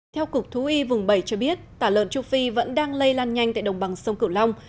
theo cục thú y vùng bảy cho biết tả lợn châu phi vẫn đang lây lan nhanh tại đồng bằng sông cửu long